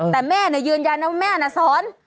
แต่แม่ยืนยันนะว่าแม่น่ะสอน